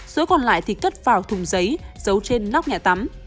số còn lại thì cất vào thùng giấy giấu trên nóc nhà tắm